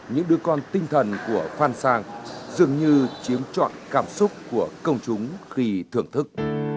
những đứa con tinh thần của phan sang dường như chiếm trọn cảm xúc của công chúng khi thưởng thức